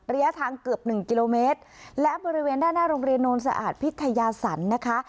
ระยะทางเกือบหนึ่งกิโลเมตรและบริเวณด้านหน้าโรงเรียนโนนสะอาดพิทยาสันนะคะ